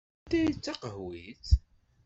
Anta i d taqehwit?